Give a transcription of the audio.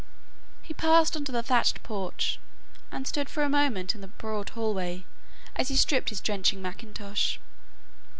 He passed under the thatched porch, and stood for a moment in the broad hallway as he stripped his drenching mackintosh.